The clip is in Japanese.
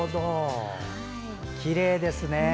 きれいですね。